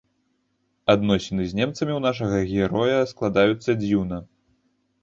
Адносіны з немцамі ў нашага героя складаюцца дзіўна.